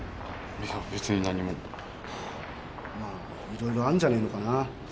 別に何もまあいろいろあんじゃねえのかな